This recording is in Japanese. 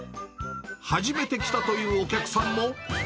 初めて来たというお客さんも。